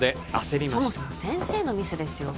そもそも先生のミスですよ